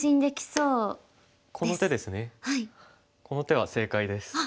この手は正解です。